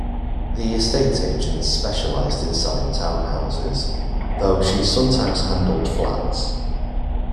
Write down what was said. The estate agent specialised in selling townhouses, though she sometimes handled flats